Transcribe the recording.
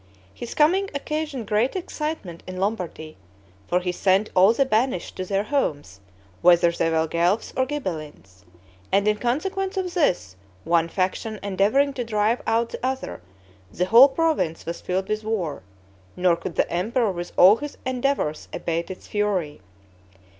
His coming occasioned great excitement in Lombardy; for he sent all the banished to their homes, whether they were Guelphs or Ghibellines; and in consequence of this, one faction endeavoring to drive out the other, the whole province was filled with war; nor could the emperor with all his endeavors abate its fury.